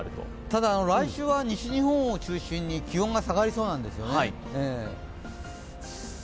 ただ、来週は西日本を中心に気温が下がりそうなんですよね。